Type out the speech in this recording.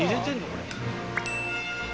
これ。